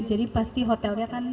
jadi pasti hotelnya kan